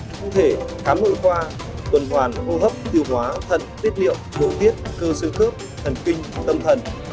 cụ thể khám nội khoa tuần hoàn hô hấp tiêu hóa thận tiết điệu mô tiết cơ sơ cướp thần kinh tâm thần